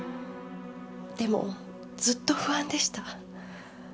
でもずっと不安でした。